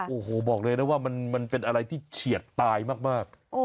โอ้โหบอกเลยนะว่ามันเป็นอะไรที่เฉียดตายมาก